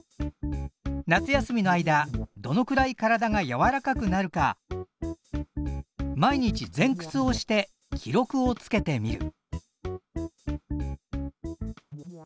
夏休みの間どのくらい体がやわらかくなるか毎日ぜんくつをして記録をつけてみる。